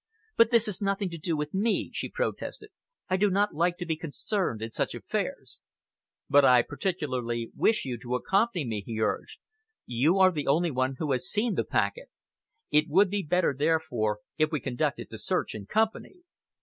"But this has nothing to do with me," she protested. "I do not like to be concerned in such affairs." "But I particularly wish you to accompany me," he urged. "You are the only one who has seen the packet. It would be better, therefore, if we conducted the search in company."